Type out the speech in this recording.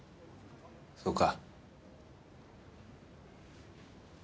そうか。